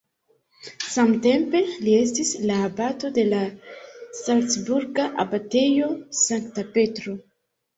Samtempe li estis la abato de la salcburga abatejo Sankta Petro.